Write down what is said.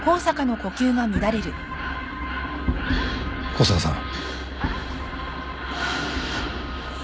香坂さん？